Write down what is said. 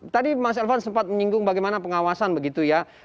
tadi mas elvan sempat menyinggung bagaimana pengawasan begitu ya